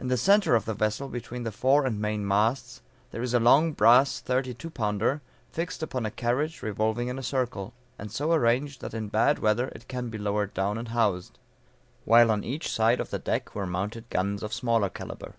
In the centre of the vessel, between the fore and main masts, there is a long brass thirty two pounder, fixed upon a carriage revolving in a circle, and so arranged that in bad weather it can be lowered down and housed; while on each side of the deck were mounted guns of smaller calibre.